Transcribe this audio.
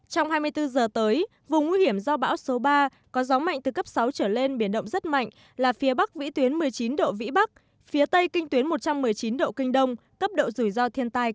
trong hai mươi bốn giờ tới vùng nguy hiểm do bão số ba có gió mạnh từ cấp sáu trở lên biển động rất mạnh là phía bắc vĩ tuyến một mươi chín độ vĩ bắc phía tây kinh tuyến một trăm một mươi chín độ kinh đông cấp độ rủi ro thiên tai cấp ba